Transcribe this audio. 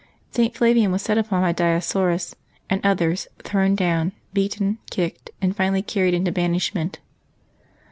St. Flavian was set upon by Dioscorus and others, thrown down, beaten, kicked, and finally carried into banishment.